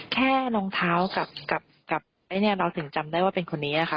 รองเท้ากับไอ้เนี่ยเราถึงจำได้ว่าเป็นคนนี้นะคะ